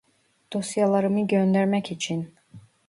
Dosyalarımı göndermek için